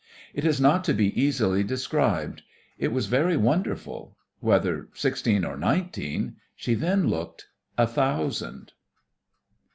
It is not to be easily described. It was very wonderful. Whether sixteen or nineteen, she then looked a thousand.